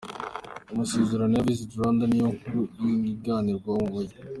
Amasezerano ya ‘Visit Rwanda’ ni yo nkuru iganirwaho mu mujyi.